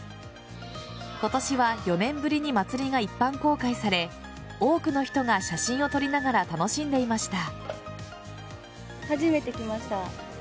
今年は４年ぶりに祭りが一般公開され多くの人が写真を撮りながら楽しんでいました。